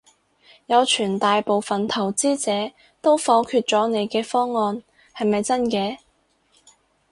有傳大部份投資者都否決咗你嘅方案，係咪真嘅？